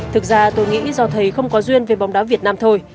thực ra tôi nghĩ do thầy không có duyên về bóng đá việt nam thôi